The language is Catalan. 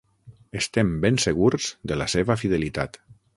Estem ben segurs de la seva fidelitat.